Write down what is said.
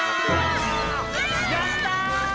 やった！